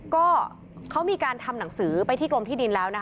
ก็เขามีการทำหนังสือไปที่กรมที่ดินแล้วนะคะ